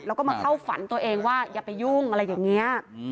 แล้วก็มาเข้าฝันตัวเองว่าอย่าไปยุ่งอะไรอย่างนี้